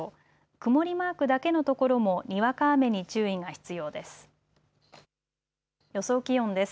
曇りマークだけの所もにわか雨に注意が必要です。